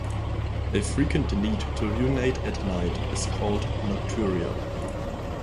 A frequent need to urinate at night is called nocturia.